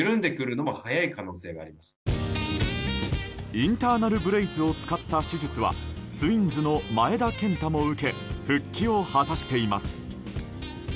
インターナル・ブレイスを使った手術はツインズの前田健太も受け復帰を果たしています。